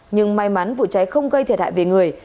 nhưng may mắn vụ cháy không gây thiệt hại về người